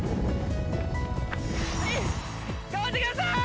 頑張ってください！